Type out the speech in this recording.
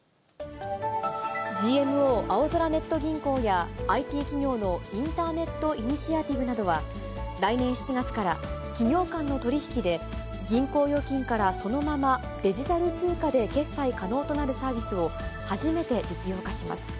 ＧＭＯあおぞらネット銀行やＩＴ企業のインターネットイニシアティブなどは来年７月から、企業間の取り引きで銀行預金からそのままデジタル通貨で決済可能となるサービスを、初めて実用化します。